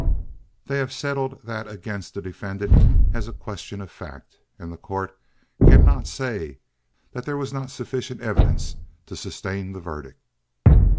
They have settled that against the defendant as a question of fact, and the court cannot say that there was not sufficient evidence to sustain the verdict.